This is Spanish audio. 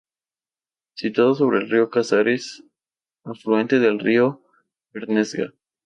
Situado sobre el río Casares, afluente del río Bernesga.